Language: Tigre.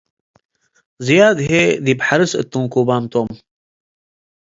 ዝያድ ህዬ ዲብ ሐርስ እትንኩባም ቶም ።